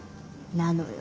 なのよ